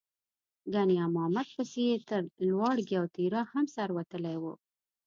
ګنې امامت پسې یې تر لواړګي او تیرا هم سر وتلی و.